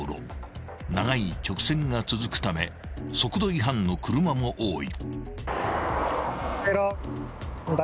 ［長い直線が続くため速度違反の車も多い］